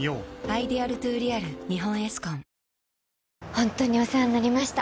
ホントにお世話になりました